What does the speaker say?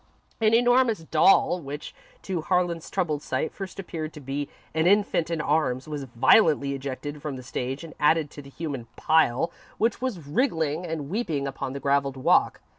An enormous doll, which to Harlan's troubled sight first appeared to be an infant in arms, was violently ejected from the stage and added to the human pile which was wriggling and weeping upon the gravelled walk.